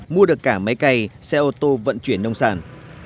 mua được cả máy cày xe ô tô vận chuyển nông sản